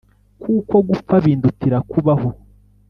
kuko gupfa bindutira kubaho